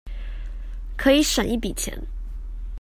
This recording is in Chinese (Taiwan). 可以省一筆錢